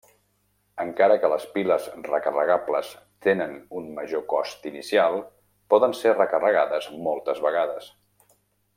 Encara que les piles recarregables tenen un major cost inicial, poden ser recarregades moltes vegades.